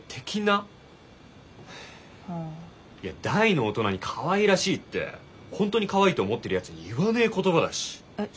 大の大人にかわいらしいって本当にかわいいと思ってるやつに言わねえ言葉だし。